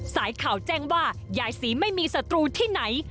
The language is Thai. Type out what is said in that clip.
สายข่าวแจ้งว่ายายศรีไม่มีศัตรูที่ไหน